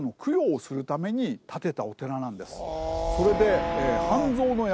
それで。